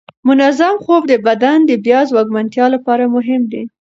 منظم خوب د بدن د بیا ځواکمنتیا لپاره مهم دی.